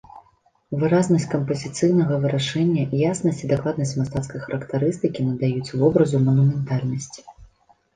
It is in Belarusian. Выразнасць кампазіцыйнага вырашэння, яснасць і дакладнасць мастацкай характарыстыкі надаюць вобразу манументальнасць.